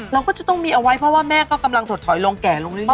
เราก็จะต้องมีเอาไว้เพราะว่าแม่ก็กำลังถดถอยลงแก่ลงเรื่อย